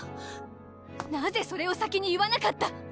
なぜそれを先に言わなかった！